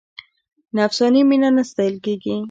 نفساني مینه نه ستایل کېږي.